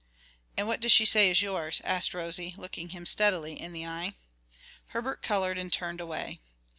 "And what does she say is yours?" asked Rosie, looking him steadily in the eye. Herbert colored and turned away.